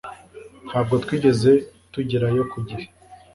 Ntabwo twigeze tugerayo ku gihe